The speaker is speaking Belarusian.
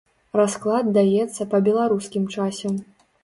Расклад даецца па беларускім часе.